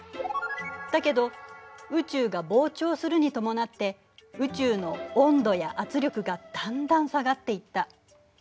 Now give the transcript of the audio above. だけど宇宙が膨張するに伴って宇宙の温度や圧力がだんだん下がっていった。